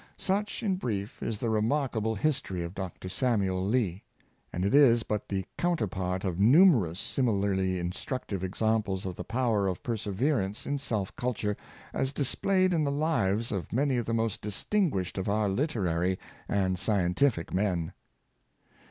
Such, in brief, is the remarkeble history of Dr. Samuel Lee; audit is but the counterpart of numerous similar ly instructive examples of the power of perseverance in self culture, as display ed in the lives of many of the most distinguished of our literary and scientific men.